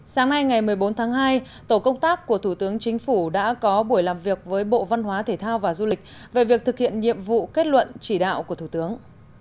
sáng nay ngày một mươi bốn tháng hai tổ công tác của thủ tướng chính phủ đã có buổi làm việc với bộ văn hóa thể thao và du lịch về việc thực hiện nhiệm vụ kết luận chỉ đạo của thủ tướng